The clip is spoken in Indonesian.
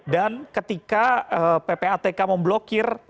dan ketika ppatk memblokir